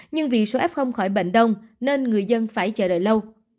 nhưng vì số f khỏi bệnh đông nên người dân phải chờ đợi lâu